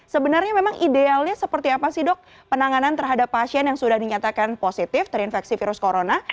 sebenarnya memang idealnya seperti apa sih dok penanganan terhadap pasien yang sudah dinyatakan positif terinfeksi virus corona